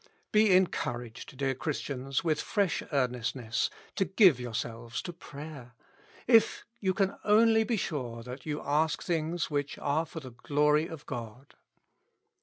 Be encouraged, dear Christians, with fresh earnestness to give yourselves to prayer, if you can only be sure that you ask things which are for the glory of God.